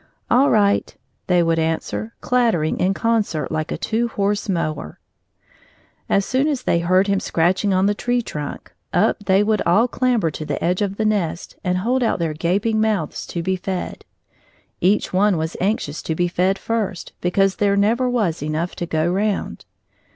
"All right!" they would answer, clattering in concert like a two horse mower. As soon as they heard him scratching on the tree trunk, up they would all clamber to the edge of the nest and hold out their gaping mouths to be fed. Each one was anxious to be fed first, because there never was enough to go round.